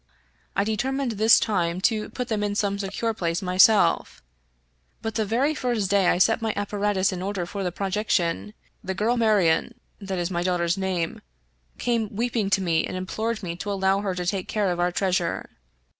I determined this time to put them in some secute place myself; but the very first day I set my apparatus in order for the projection, the girl Marion — ^that is my daugh ter's name — came weeping to me and implored me to allow her to take care of our treasure.